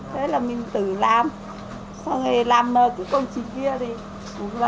thế là mình tự làm xong rồi làm cái công trình kia thì cũng là tự nghĩ ra